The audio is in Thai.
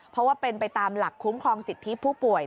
เพราะว่าเป็นไปตามหลักคุ้มครองสิทธิผู้ป่วย